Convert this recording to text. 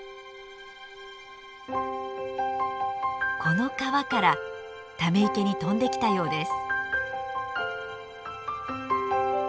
この川からため池に飛んできたようです。